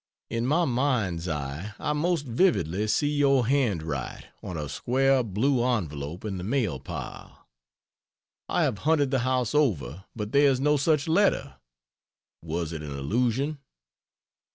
In my mind's eye I most vividly see your hand write on a square blue envelop in the mailpile. I have hunted the house over, but there is no such letter. Was it an illusion?